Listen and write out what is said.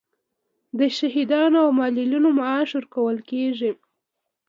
د شهیدانو او معلولینو معاش ورکول کیږي